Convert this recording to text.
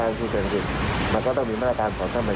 การสู้เตือนลิขมันก็ต้องมีมาตรการของธรรมไย